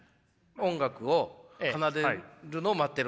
音楽を奏でるのを待ってるんです。